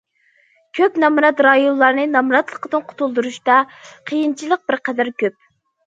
كۆك نامرات رايونلارنى نامراتلىقتىن قۇتۇلدۇرۇشتا قىيىنچىلىق بىر قەدەر كۆپ.